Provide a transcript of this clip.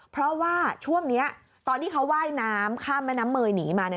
เพราะว่าช่วงนี้ตอนที่เขาว่ายน้ำข้ามแม่น้ำเมยหนีมาเนี่ย